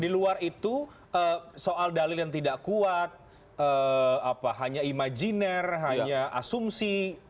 di luar itu soal dalil yang tidak kuat hanya imajiner hanya asumsi